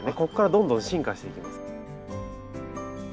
こっからどんどん進化していきます。